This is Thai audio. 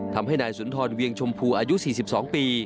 ทำให้นายสุนทรเวียงชมพูอายุ๔๒ปี